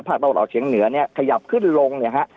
ต้องออกเฉียงเหนือเนี่ยขยับขึ้นลงเนี่ยฮะ